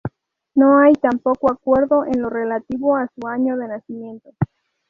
No hay tampoco acuerdo en lo relativo a su año de nacimiento.